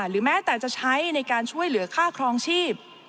หรือแม้แต่จะใช้ในการช่วยเหลือค่าครองชีพ